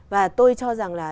và tôi cho rằng là